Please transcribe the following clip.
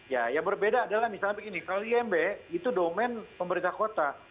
ya yang berbeda adalah misalnya begini kalau imb itu domen pemerintah kota